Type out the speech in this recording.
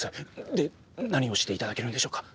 で何をしていただけるんでしょうか？